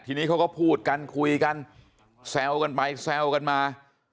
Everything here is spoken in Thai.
ทีนี้เขาก็พูดกันคุยกันแซวกันไปแซวกันมา